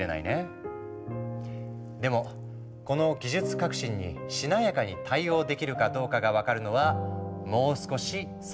でもこの技術革新にしなやかに対応できるかどうかが分かるのはもう少し先の話。